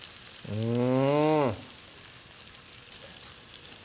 うん